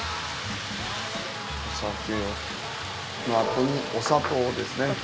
今お砂糖ですね。